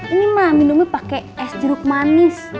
ini mah minumnya pakai es jeruk manis